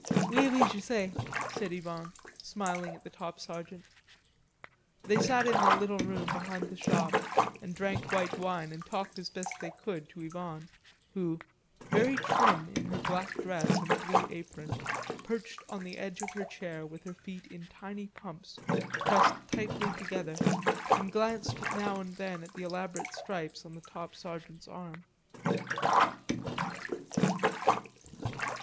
"Oui, oui, je sais," said Yvonne, smiling at the top sergeant. They sat in the little room behind the shop and drank white wine, and talked as best they could to Yvonne, who, very trim in her black dress and blue apron, perched on the edge of her chair with her feet in tiny pumps pressed tightly together, and glanced now and then at the elaborate stripes on the top sergeant's arm.